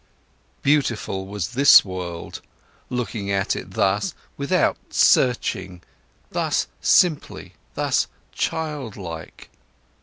Beautiful was this world, looking at it thus, without searching, thus simply, thus childlike.